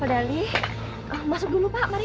pak dali masuk dulu pak mari